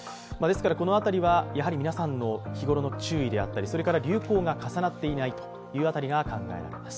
この辺りは皆さんの日頃の注意であったり流行が重なっていないという辺りが考えられます。